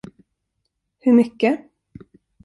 Hur mycket?